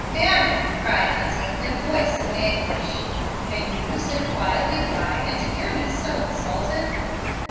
"Annie," cried Hunting, in a voice of anguish, "can you sit quietly by and hear me so insulted?"